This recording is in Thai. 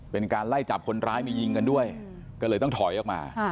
เป็นการไล่จับคนร้ายมายิงกันด้วยก็เลยต้องถอยออกมา